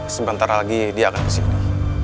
sebentar lagi dia akan ke sini